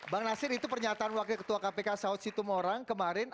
bang nasir itu pernyataan wakil ketua kpk saud situmorang kemarin